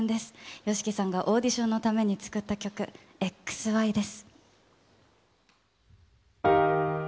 ＹＯＳＨＩＫＩさんがオーディションのために作った曲、ＸＹです。